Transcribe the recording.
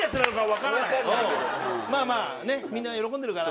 まあまあみんな喜んでるから。